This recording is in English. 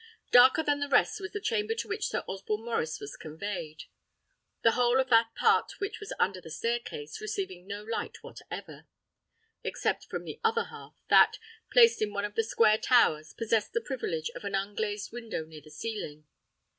Darker than all the rest was the chamber to which Sir Osborne Maurice was conveyed; the whole of that part which was under the stair case, receiving no light whatever, except from the other half, that, placed in one of the square towers, possessed the privilege of an unglazed window near the ceiling.